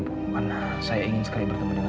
karena saya ingin sekali lagi berjumpa dengan ibu